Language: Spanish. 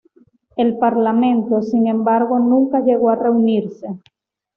El Parlamento, sin embargo, nunca llegó a reunirse.